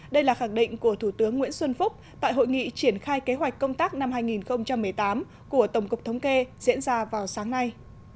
đây là khẳng định của thủ tướng nguyễn xuân phúc tại hội nghị triển khai kế hoạch công tác năm hai nghìn một mươi tám của tổng cục thống kê diễn ra vào sáng nay